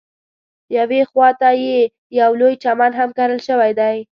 یوې خواته یې یو لوی چمن هم کرل شوی دی.